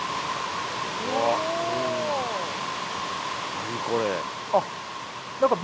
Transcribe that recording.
何これ。